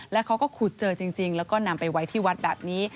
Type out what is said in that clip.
แล้วเขาก็ขุดเจอจริงแล้วก็นำไปไว้ที่วัดแบบนี้